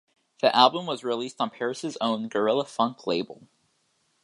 The album was released on Paris's own Guerrilla Funk label.